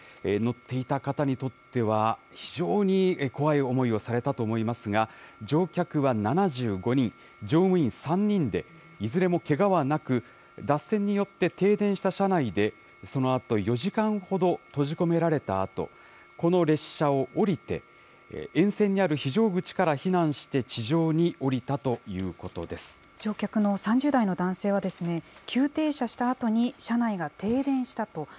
乗っていた方にとっては、非常に怖い思いをされたと思いますが、乗客は７５人、乗務員３人で、いずれもけがはなく、脱線によって停電した車内でそのあと４時間ほど閉じ込められたあと、この列車を降りて、沿線にある非常口から避難して、乗客の３０代の男性は、急停車したあとに車内が停電したと。